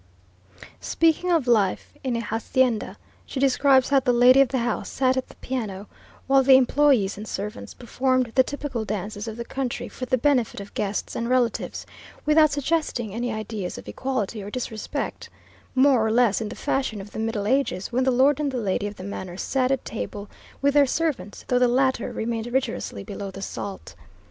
Speaking of life in a hacienda, she describes how the lady of the house sat at the piano, while the employees and servants performed the typical dances of the country for the benefit of guests and relatives, without suggesting any idea of equality or disrespect, more or less in the fashion of the Middle Ages, when the lord and the lady of the manor sat at table with their servants, though the latter remained rigorously below the salt.